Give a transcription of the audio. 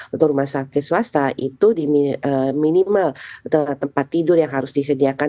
untuk rumah sakit swasta itu di minimal tempat tidur yang harus disediakan